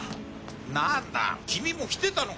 なんだ君も来てたのか。